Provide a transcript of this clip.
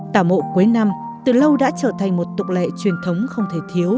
tàu mộ cuối năm từ lâu đã trở thành một tục lệ truyền thống không thể thiếu